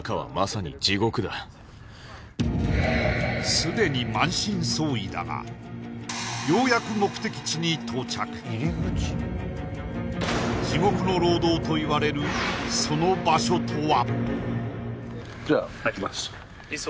すでに満身創痍だがようやく目的地に到着地獄の労働といわれるその場所とは？